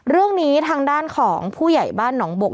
เรื่องนี้ทางด้านของผู้ใหญ่บ้านหนองบก